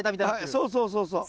そうそうそうそう。